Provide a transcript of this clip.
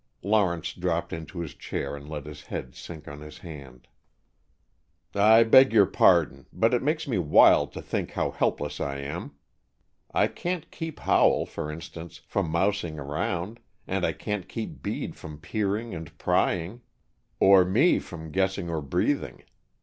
Lawrence dropped into his chair and let his head sink on his hand. "I beg your pardon. But it makes me wild to think how helpless I am. I can't keep Howell, for instance, from mousing around, and I can't keep Bede from peering and prying," "Or me from guessing or breathing.